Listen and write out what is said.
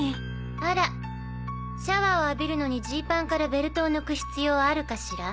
あらシャワーを浴びるのにジーパンからベルトを抜く必要あるかしら？